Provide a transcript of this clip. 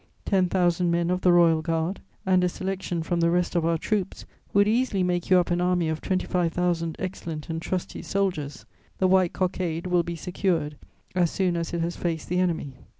Ten thousand men of the Royal Guard and a selection from the rest of our troops would easily make you up an army of twenty five thousand excellent and trusty soldiers: the white cockade will be secured as soon as it has faced the enemy.